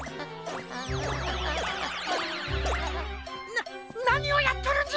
ななにをやっとるんじゃ！